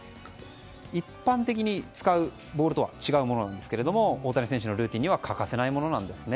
一般的に使うボールとは違うものなんですけど大谷選手のルーティンには欠かせないものなんですね。